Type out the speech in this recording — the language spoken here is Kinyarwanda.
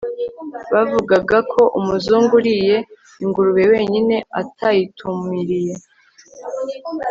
bavugaga ko umuzungu uriye ingurube wenyine, atayitumiriye